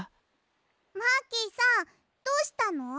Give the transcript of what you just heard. マーキーさんどうしたの？